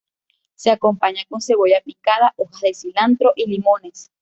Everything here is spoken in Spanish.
Se acompaña con cebolla picada, hojas de cilantro y limones.